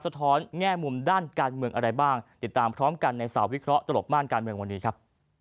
ท้อนแง่มุมด้านการเมืองอะไรบ้างติดตามพร้อมกันในสาววิเคราะห์ตลบม่านการเมืองวันนี้ครับ